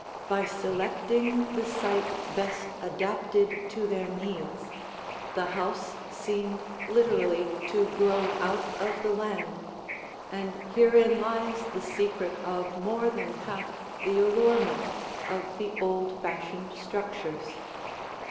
By selecting the site best adapted to their needs, the house seemed literally to grow out of the land, and herein lies the secret of more than half the allurement of the old fashioned structures.